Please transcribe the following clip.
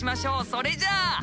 それじゃあ。